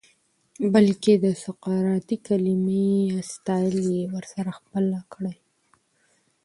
بلکه د سقراطی مکالمې سټائل ئې ورسره خپل کړۀ